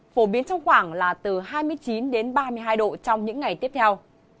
phổ biến trong khoảng là từ hai mươi chín đến ba mươi hai độ trong những ngày tiếp theo